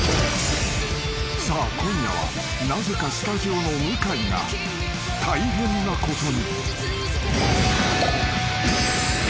［さあ今夜はなぜかスタジオの向井が大変なことに］